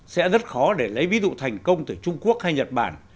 sẽ rất khó để lấy ví dụ thành công từ trung quốc hay nhật bản